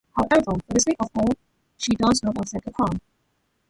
However, for the sake of Anwar, she does not accept the crown.